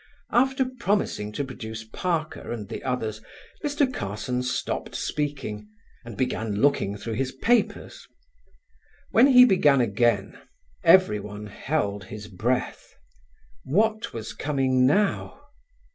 After promising to produce Parker and the others Mr. Carson stopped speaking and began looking through his papers; when he began again, everyone held his breath; what was coming now?